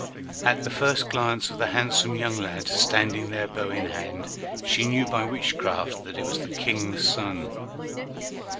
At the first glance of the handsome young lad standing there bow in hand, she knew by witchcraft that it was the King's son.